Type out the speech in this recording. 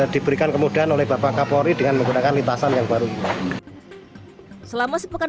diberikan kemudahan oleh bapak kapolri dengan menggunakan lintasan yang baru selama sepekan